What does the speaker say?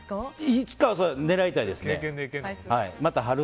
いつか狙いたいですね。